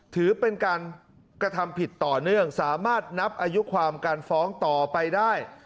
ถือเป็นการกระทำผิดต่อเนื่องสามารถนับอายุความการฟ้องต่อไปได้